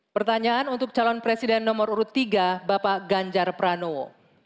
pertanyaan untuk calon presiden nomor tiga bapak ganjar pranowo